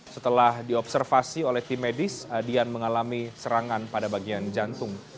setelah diobservasi oleh tim medis adian mengalami serangan pada bagian jantung